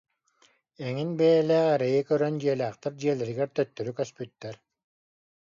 Эҥин бэйэлээх эрэйи көрөн дьиэлээхтэр дьиэлэригэр төттөрү көспүттэр